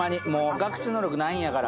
学習能力ないんやから。